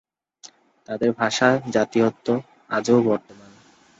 তাদের ভাষা, জাতীয়ত্ব আজও বর্তমান।